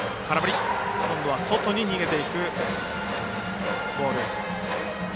今度は外に逃げていくボール。